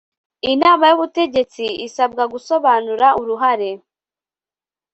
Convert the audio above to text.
Inama y Ubutegetsi isabwa gusobanura uruhare